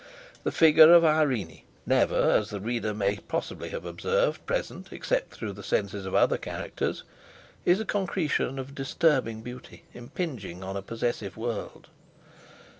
The figure of Irene, never, as the reader may possibly have observed, present, except through the senses of other characters, is a concretion of disturbing Beauty impinging on a possessive world.